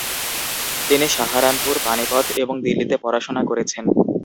তিনি সাহারানপুর, পানিপথ এবং দিল্লিতে পড়াশোনা করেছেন।